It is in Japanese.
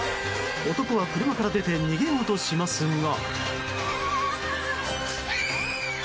男は車から出て逃げようとしますが。